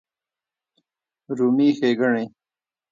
رومي ښېګڼې